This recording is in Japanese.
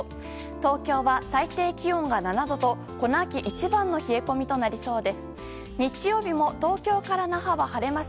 東京は最低気温が７度と、この秋一番の冷え込みとなりそうです。